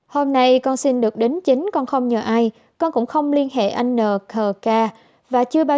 hôm nay con xin được đánh chính con không nhờ ai con cũng không liên hệ anh n kh ca và chưa bao